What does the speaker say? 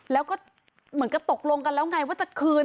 แล้วก็เหมือนกับตกลงกันแล้วไงว่าจะคืน